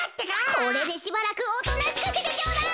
これでしばらくおとなしくしててちょうだい。